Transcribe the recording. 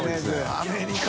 アメリカ！